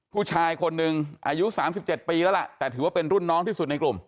ผู้ชายคนหนึ่งอายุ๓๗ปีแล้วล่ะแต่ถือว่าเป็นรุ่นน้องที่สุดในกลุ่ม